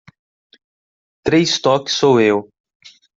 Três toques sou eu.